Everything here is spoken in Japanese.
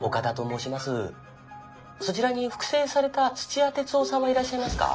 そちらに復生された土屋徹生さんはいらっしゃいますか？」。